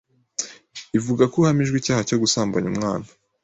ivuga ko uhamijwe icyaha cyo gusambanya umwana